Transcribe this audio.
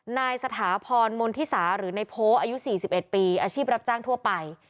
นายสถาพรมนติศาหรือในโพสต์อายุสี่สิบเอ็ดปีอาชีพรับจ้างทั่วไป